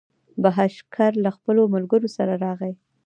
بهاشکر له خپلو ملګرو سره راغی.